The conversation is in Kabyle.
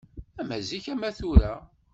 Ama zik ama tura